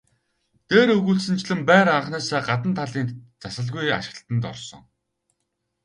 Дээр өгүүлсэнчлэн байр анхнаасаа гадна талын засалгүй ашиглалтад орсон.